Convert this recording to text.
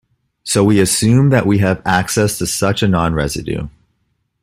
So we assume that we have access to such a non-residue.